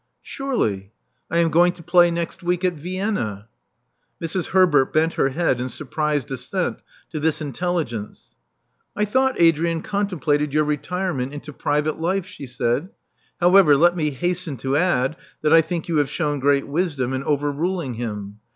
Surely. I am going to play next week at Vienna." Mrs. Herbert bent her head in surprised assent to this intelligence. I thought Adrian contemplated your retirement into private life," she said. ''How ever, let me hasten to add that I think you have shewn great wisdom in overruling him.